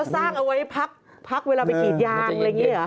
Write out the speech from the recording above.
สร้างเอาไว้พักเวลาไปกรีดยางอะไรอย่างนี้เหรอ